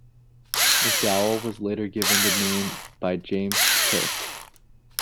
McDowall was later given the name by James Kirk.